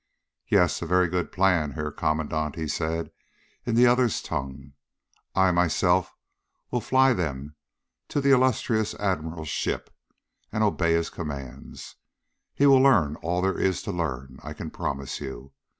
"Yes, a very good plan, Herr Kommandant," he said in the other's tongue. "I, myself, will fly them to the illustrious Admiral's ship, and obey his commands. He will learn all there is to learn, I can promise you.